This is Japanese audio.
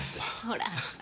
ほら。